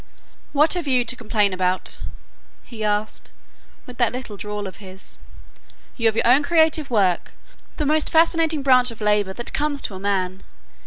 "What have you to complain about!" he asked, with that little drawl of his. "You have your own creative work the most fascinating branch of labour that comes to a man.